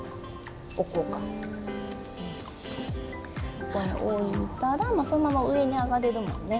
そこに置いたらそのまま上に上がれるもんね。